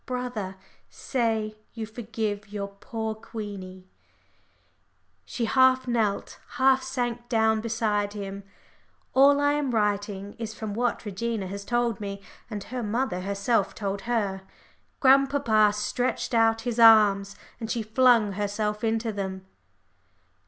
Brother, say you forgive your poor Queenie." She half knelt, half sank down beside him all I am writing is from what Regina has told me, and her mother herself told her grandpapa stretched out his arms, and she flung herself into them.